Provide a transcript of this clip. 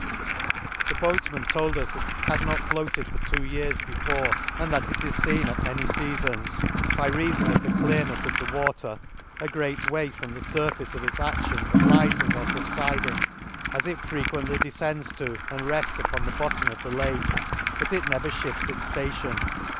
S —The 138 An Excursion to The boatmen told us that it had not floated for two years before ; and that it is fcen at many feafons, by reafon of the clearnefs of the water, a great way from the furface in its action of riling or fub fiding, as it frequently defcends to and refls upon the bottom of the Lake ; but it never fhifts its ftation.